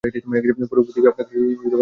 পুরো পৃথিবী আপনাকে ধন্যবাদ জানাচ্ছে!